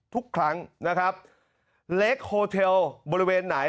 ทุกครั้งนะครับเล็กโฮเทลบริเวณไหน